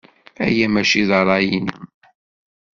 Aya maci d ṛṛay-nnem.